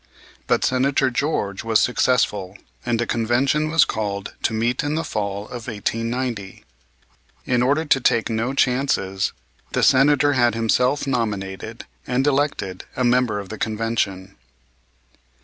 But Senator George was successful, and a convention was called to meet in the fall of 1890. In order to take no chances the Senator had himself nominated and elected a member of the Convention.